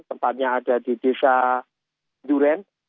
tempatnya ada di desa duren